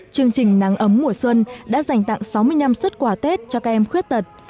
chương trình nắng ấm mùa xuân đã dành tặng sáu mươi năm xuất quà tết cho các em khuyết tật